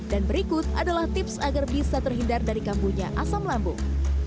dan berikut adalah tips agar bisa terhindar dari kambunya asam lambung